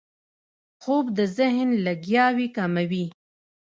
خوب د ذهن لګیاوي کموي